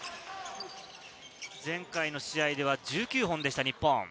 前回の試合では１９本でした、日本。